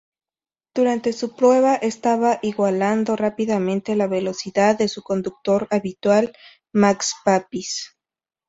Durante su prueba, estaba igualando rápidamente la velocidad de su conductor habitual, Max Papis.